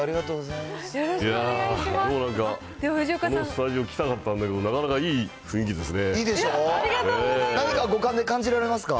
いやー、このスタジオ来たかったんだけど、なかなかいい雰囲気ですね。